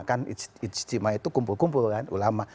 kan ijtima itu kumpul kumpul ulama